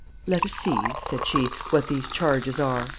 "Let us see," said she, "what these charges are."